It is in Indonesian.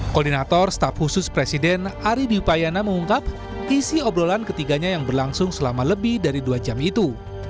koordinator staf khusus presiden ari diupayana mengungkap isi obrolan ketiganya yang berlangsung selama lebih dari dua jam itu